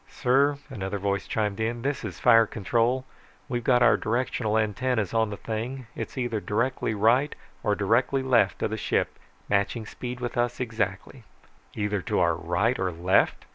"Sir," another voice chimed in, "this is fire control. We've got our directional antennas on the thing. It's either directly right or directly left of the ship, matching speed with us exactly." "Either to our right or left?"